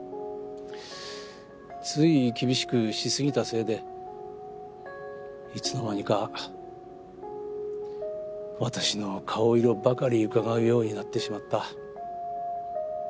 つい厳しくし過ぎたせいでいつの間にか私の顔色ばかりうかがうようになってしまった。